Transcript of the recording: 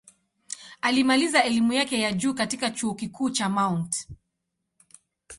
Alimaliza elimu yake ya juu katika Chuo Kikuu cha Mt.